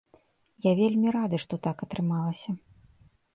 Я вельмі рады, што так атрымалася.